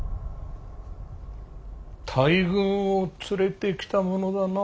大軍を連れてきたものだな。